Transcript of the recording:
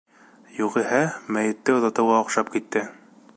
Юғиһә мәйетте оҙатыуға оҡшап китте.